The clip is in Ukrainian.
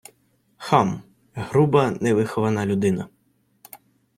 Хам — груба, невихована людина